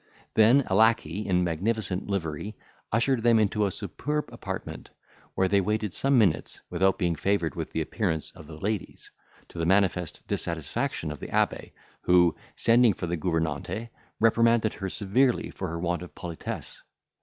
Then a lacquey, in magnificent livery, ushered them into a superb apartment, where they waited some minutes, without being favoured with the appearance of the ladies, to the manifest dissatisfaction of the abbe, who, sending for the gouvernante, reprimanded her severely for her want of politesse.